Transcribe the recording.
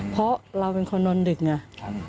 เพราะเราเป็นคนนอนดึกไง